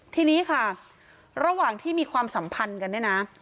ทีนี้ค่ะระหว่างที่มีความสัมพันธ์กันเนี่ยนะ